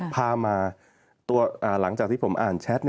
พามาหลังจากที่ผมอ่านแชท